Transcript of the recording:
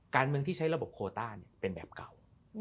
การเมืองที่ใช้ระบบโคต้าเป็นแบบเก่า